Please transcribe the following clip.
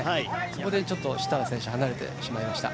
そこでちょっと設楽選手、離れてしまいました。